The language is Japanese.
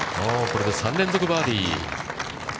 これで３連続バーディー。